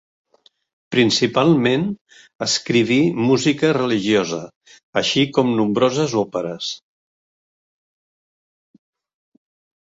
Principalment escriví música religiosa, així com nombroses òperes.